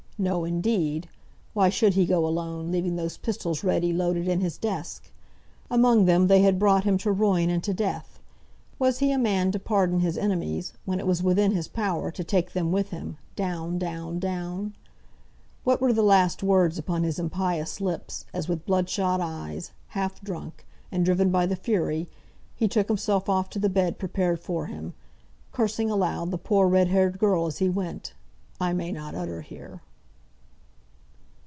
No, indeed! why should he go alone, leaving those pistols ready loaded in his desk? Among them they had brought him to ruin and to death. Was he a man to pardon his enemies when it was within his power to take them with him, down, down, down ? What were the last words upon his impious lips, as with bloodshot eyes, half drunk, and driven by the Fury, he took himself off to the bed prepared for him, cursing aloud the poor red haired girl as he went, I may not utter here.